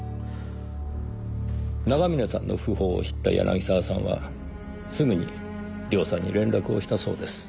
長峰さんの訃報を知った柳沢さんはすぐに涼さんに連絡をしたそうです。